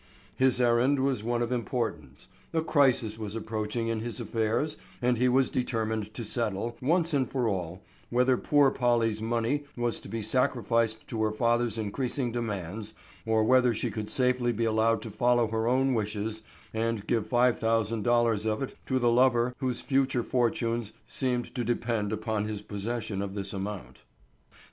His errand was one of importance. A crisis was approaching in his affairs and he was determined to settle, once and for all, whether poor Polly's money was to be sacrificed to her father's increasing demands, or whether she could safely be allowed to follow her own wishes and give five thousand dollars of it to the lover whose future fortunes seemed to depend upon his possession of this amount.